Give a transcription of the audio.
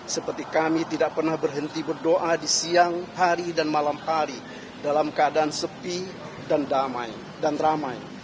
seperti kami tidak pernah berhenti berdoa di siang hari dan malam hari dalam keadaan sepi dan damai dan ramai